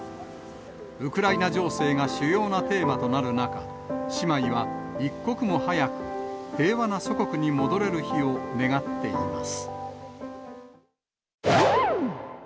ウクライナ情勢が主要なテーマとなる中、姉妹は一刻も早く、平和な祖国に戻れる日を願っています。